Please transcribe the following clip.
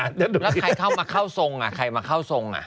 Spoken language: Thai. แล้วใครเข้ามาเข้าทรงใครมาเข้าทรง